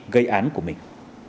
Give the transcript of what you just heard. gây án của mình